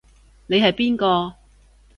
你係邊個？